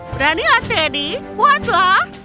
beranilah teddy kuatlah